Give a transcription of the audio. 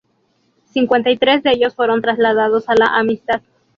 Cincuenta y tres de ellos fueron trasladados a "La" "Amistad".